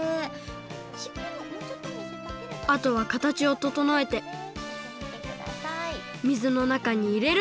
あとはかたちをととのえてみずのなかにいれる！